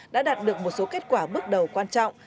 đã đạt được một số kết quả bước đầu quan trọng